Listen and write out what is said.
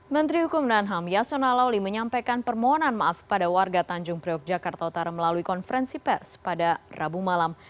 menteri hukum dan ham yasona lawli menyampaikan permohonan maaf pada warga tanjung priok jakarta utara melalui konferensi pers pada rabu malam